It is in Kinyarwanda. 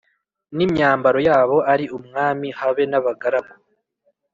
n imyambaro yabo ari umwami habe n abagaragu